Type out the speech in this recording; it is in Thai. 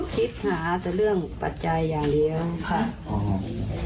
คิดหาแต่เรื่องปัจจัยอย่างเดียวค่ะ